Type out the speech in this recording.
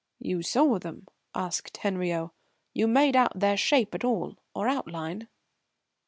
"You saw them?" asked Henriot. "You made out their shape at all, or outline?"